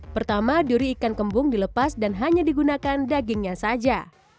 pertama duri ikan kembung dilepas dan hanya digunakan dagingnya saja